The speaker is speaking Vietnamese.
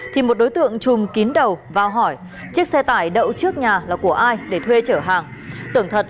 thì một đối tượng chùm kín đầu vào hỏi chiếc xe tải đậu trước nhà là của ai để thuê trở hàng thật